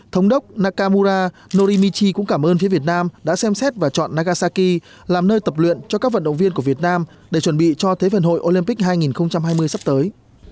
thống đốc nakamura norimichi cũng cảm ơn phía việt nam đã xem xét và chọn nagasaki làm nơi tập luyện cho các vận động viên của việt nam để chuẩn bị cho thế vận hội olympic hai nghìn hai mươi sắp tới